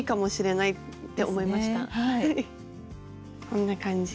こんな感じ。